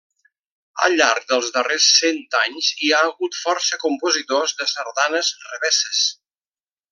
Al llarg dels darrers cent anys hi ha hagut força compositors de sardanes revesses.